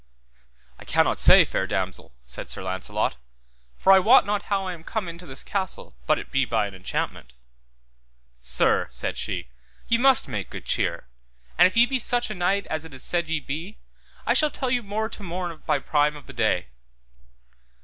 I cannot say, fair damosel, said Sir Launcelot, for I wot not how I came into this castle but it be by an enchantment. Sir, said she, ye must make good cheer, and if ye be such a knight as it is said ye be, I shall tell you more to morn by prime of the day.